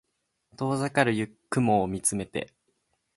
遠ざかる雲を見つめて